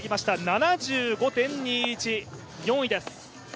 ７５．２１、４位です。